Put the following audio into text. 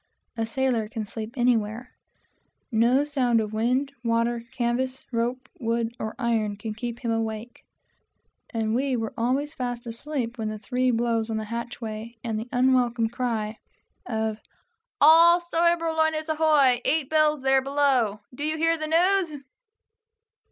A sailor can sleep anywhere no sound of wind, water, wood or iron can keep him awake and we were always fast asleep when three blows on the hatchway, and the unwelcome cry of "All starbowlines ahoy! eight bells there below! do you hear the news?"